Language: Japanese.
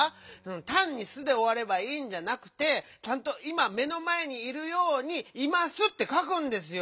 たんに「す」でおわればいいんじゃなくてちゃんといま目のまえにいるように「います」ってかくんですよ。